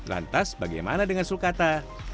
lantas bagaimana dengan sulkata